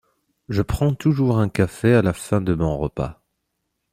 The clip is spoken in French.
Je prends toujours un café à la fin de mon repas.